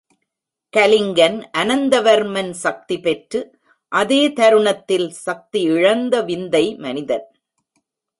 கலிங்கன் அனந்தவர்மன் சக்தி பெற்று, அதே தருணத்தில் சக்தியிழந்த விந்தை மனிதன்.